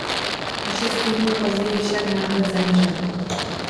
O šest týdnů později však náhle zemřel.